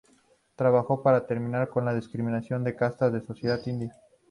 Trabajó para terminar con la discriminación de castas en sociedad india.